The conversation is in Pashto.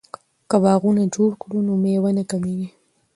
که باغونه جوړ کړو نو میوه نه کمیږي.